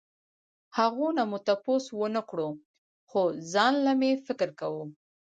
هغو نه مو تپوس ونکړو خو ځانله مې فکر کوو